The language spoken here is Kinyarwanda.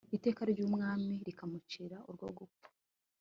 iteka ry'umwami rikamucira urwo gupfa